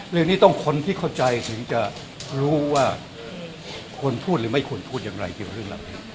เรื่องนี้ต้องคนที่เข้าใจถึงจะรู้ว่าควรพูดหรือไม่ควรพูดอย่างไรเกี่ยวกับเรื่องเหล่านี้